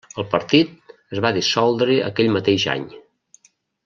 El partit es va dissoldre aquell mateix any.